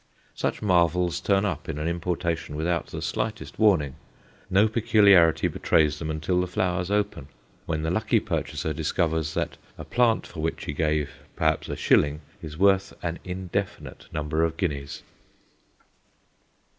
Such marvels turn up in an importation without the slightest warning no peculiarity betrays them until the flowers open; when the lucky purchaser discovers that a plant for which he gave perhaps a shilling is worth an indefinite number of guineas.